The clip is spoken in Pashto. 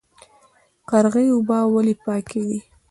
قرغې اوبه ولې پاکې دي؟